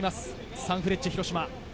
サンフレッチェ広島。